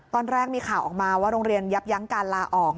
ตอนแรกมีข่าวออกมาว่าโรงเรียนยับยั้งการลาออก